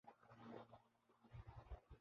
انقلاب توچند ہزارافراد اور چندسو گز تک محدود تھا۔